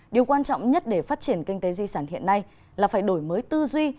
điều quan trọng nhất để phát triển kinh tế di sản hiện nay là phải đổi mới tư duy